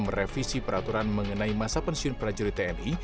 merevisi peraturan mengenai masa pensiun prajurit tni